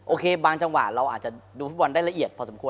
บางจังหวะเราอาจจะดูฟุตบอลได้ละเอียดพอสมควร